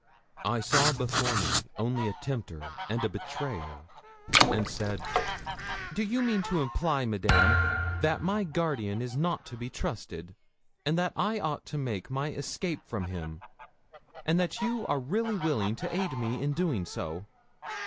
I saw before me only a tempter and betrayer, and said 'Do you mean to imply, Madame, that my guardian is not to be trusted, and that I ought to make my escape from him, and that you are really willing to aid me in doing so?'